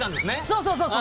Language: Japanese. そうそう！